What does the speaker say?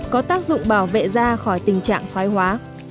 có tác dụng bảo vệ da khỏi tình trạng khói hóa